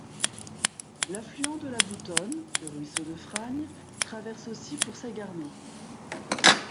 L'affluent de la Boutonne, le ruisseau de Fragne, traverse aussi Poursay-Garnaud.